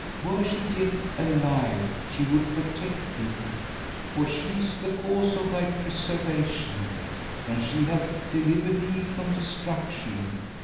Were she yet alive, she would protect thee; for she is the cause of thy preservation and she hath delivered thee from destruction.